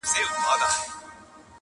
بحثونه بيا بيا تکرارېږي تل,